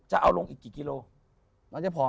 จะเอาลงอีกกี่กิโล